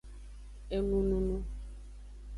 Enununu.